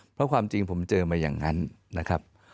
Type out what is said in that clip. เพราะความจริงผมเจอมาอย่างนั้นนะครับ